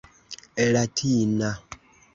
latina